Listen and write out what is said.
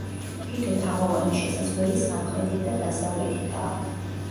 თითო თაღოვანი შესასვლელი სამხრეთით და დასავლეთითაა.